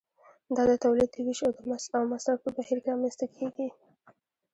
دا د تولید د ویش او مصرف په بهیر کې رامنځته کیږي.